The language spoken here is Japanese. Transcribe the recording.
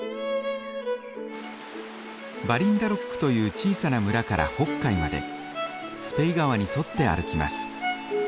バリンダロックという小さな村から北海までスペイ川に沿って歩きます。